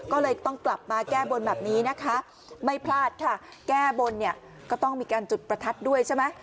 ก็เลยต้องกลับมาแก้บนแบบนี้นะคะไม่พลาดค่ะแก้บนเนี่ยก็ต้องมีการจุดประทัดด้วยใช่ไหม